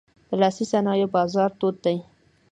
د لاسي صنایعو بازار تود دی.